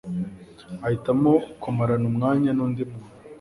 ahitamo kumarana umwanya nundi muntu